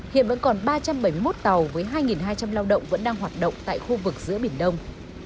hiện vẫn còn ba trăm bảy mươi một tàu với hai hai trăm linh lao động vẫn đang hoạt động tại khu vực giữa biển đông